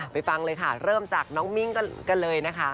ฟังเลยค่ะเริ่มจากน้องมิ้งกันเลยนะคะ